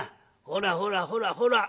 ほらほらほらほら。